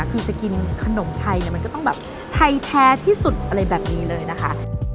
คือจะกินขนมไทยเนี่ยมันก็ต้องแบบไทยแท้ที่สุดอะไรแบบนี้เลยนะคะ